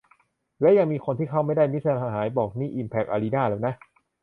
และยังมีคนที่เข้าไม่ได้ - มิตรสหายบอกนี่อิมแพคอารีนาแล้วนะ